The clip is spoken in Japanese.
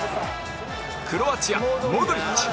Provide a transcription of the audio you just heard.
クロアチアモドリッチ